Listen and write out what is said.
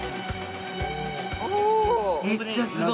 めっちゃすごい！